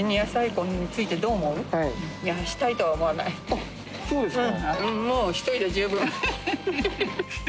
あっそうですか？